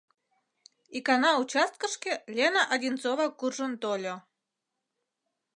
Икана участкышке Лена Одинцова куржын тольо.